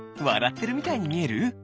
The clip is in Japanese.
わらってるみたいにみえる？